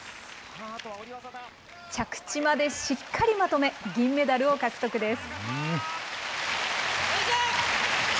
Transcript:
着地までしっかりまとめ、銀メダルを獲得です。